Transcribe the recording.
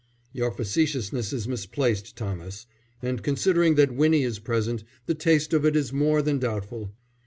"Your facetiousness is misplaced, Thomas, and considering that Winnie is present, the taste of it is more than doubtful.